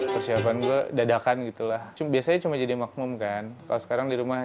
persiapan gue dadakan gitu lah biasanya cuma jadi makmum kan kalau sekarang di rumah